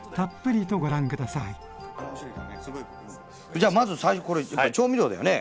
じゃあまずこれ調味料だよね。